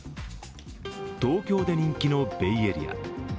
東京で人気のベイエリア。